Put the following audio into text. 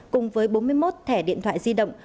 cùng với bốn mươi một thẻ điện thoại di động